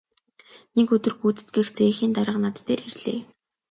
Нэг өдөр гүйцэтгэх цехийн дарга над дээр ирлээ.